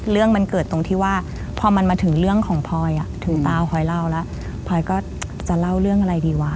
เรื่องมันเกิดตรงที่ว่าพอมันมาถึงเรื่องของพลอยอ่ะถึงตาพลอยเล่าแล้วพลอยก็จะเล่าเรื่องอะไรดีวะ